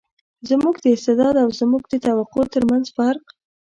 زموږ د استعداد او زموږ د توقع تر منځ فرق.